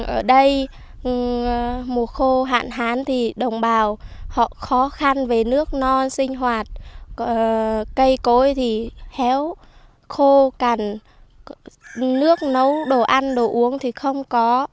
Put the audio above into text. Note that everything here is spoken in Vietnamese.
ở đây mùa khô hạn hán thì đồng bào họ khó khăn về nước nó sinh hoạt cây cối thì héo khô cằn nước nấu đồ ăn đồ uống thì không có